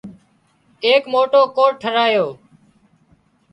ايڪ موٽو ڪوٽ ٽاهرايو